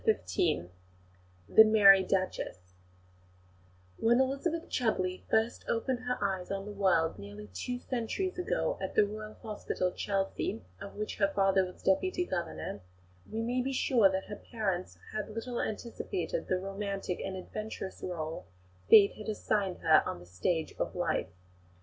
CHAPTER XV THE MERRY DUCHESS When Elizabeth Chudleigh first opened her eyes on the world, nearly two centuries ago, at the Royal Hospital, Chelsea, of which her father was Deputy Governor, we may be sure that her parents little anticipated the romantic and adventurous rôle Fate had assigned to her on the stage of life.